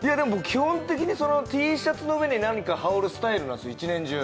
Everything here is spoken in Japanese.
基本的にＴシャツの上に何か羽織るスタイルなんです、１年中。